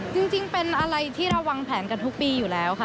จริงเป็นอะไรที่เราวางแผนกันทุกปีอยู่แล้วค่ะ